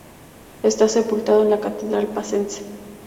Está sepultado en la catedral pacense.